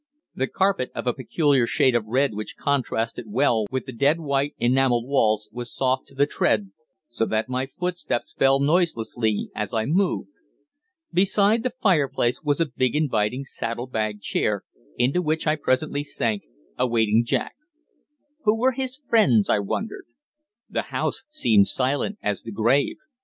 The carpet, of a peculiar shade of red which contrasted well with the dead white enamelled walls, was soft to the tread, so that my footsteps fell noiselessly as I moved. Beside the fireplace was a big inviting saddle bag chair, into which I presently sank, awaiting Jack. Who were his friends, I wondered? The house seemed silent as the grave.